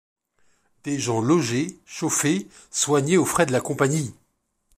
Des gens logés, chauffés, soignés aux frais de la Compagnie!